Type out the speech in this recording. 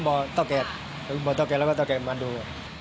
พวกต้องการแล้วก็ต้องการมาดู